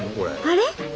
あれ？